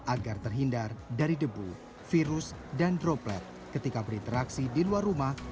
agar terhindar dari debu virus dan droplet ketika berinteraksi di luar rumah